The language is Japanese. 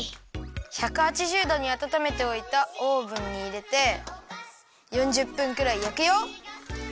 １８０どにあたためておいたオーブンにいれて４０分くらいやくよ。